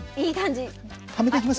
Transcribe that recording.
はめていきますよ。